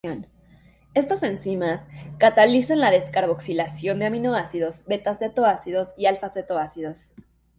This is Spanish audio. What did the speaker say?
Estas enzimas catalizan la descarboxilación de aminoácidos, beta-cetoácidos y alfa-cetoácidos.